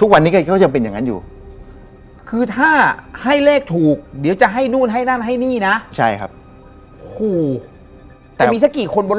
ก็ลองไปดูแล้ว